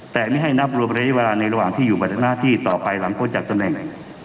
แต่ไม่ให้นับรวมระยะเวลาในระหว่างที่อยู่ปฏิบัติหน้าที่ต่อไปหลังพ้นจากตำแหน่ง